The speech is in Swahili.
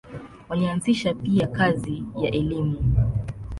Walianzisha pia kazi ya elimu.